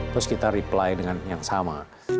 terus kita reply dengan yang sama